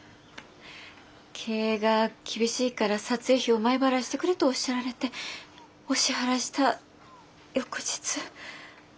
経営が厳しいから撮影費を前払いしてくれとおっしゃられてお支払いした翌日。